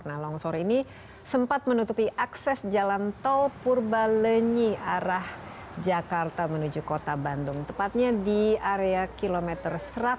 nah longsor ini sempat menutupi akses jalan tolpur balenyi arah jakarta menuju kota bandung tepatnya di area kilometer satu ratus delapan belas